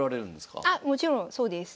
あもちろんそうです。